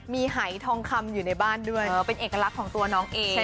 มีหายทองคำอยู่ในบ้านด้วยเป็นเอกลักษณ์ของตัวน้องเอง